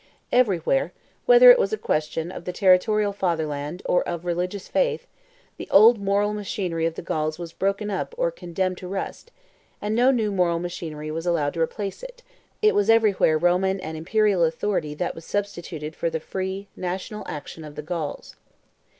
Everywhere, whether it was a question of the terrestrial fatherland or of religious faith, the old moral machinery of the Gauls was broken up or condemned to rust, and no new moral machinery was allowed to replace it; it was everywhere Roman and imperial authority that was substituted for the free, national action of the Gauls.